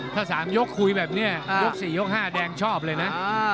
ถ้าสามยกคุยแบบนี้ยกสี่ยกห้าแดงชอบเลยนะ